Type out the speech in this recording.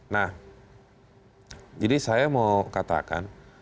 nah jadi saya mau katakan